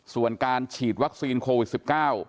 ส่วนการฉีดวัคซีนโควิด๑๙